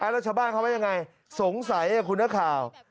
แล้วชาวบ้านเข้าไปยังไงสงสัยกับคุณหน้าข่าว